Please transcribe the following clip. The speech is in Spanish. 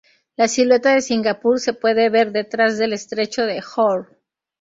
La silueta de Singapur se puede ver detrás del estrecho de Johor.